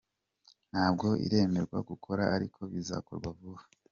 Ntabwo iremerwa gukora ariko bizakorwa vuba.